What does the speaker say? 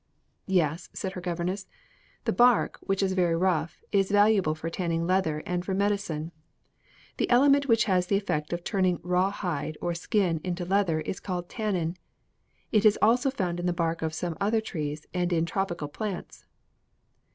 "Yes," said her governess; "the bark, which is very rough, is valuable for tanning leather and for medicine. The element which has the effect of turning raw hide or skin into leather is called tannin; it is also found in the bark of some other trees and in tropical plants."